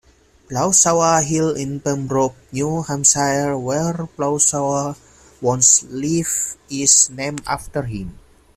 Plausawa Hill in Pembroke, New Hampshire where Plausawa once lived is named after him.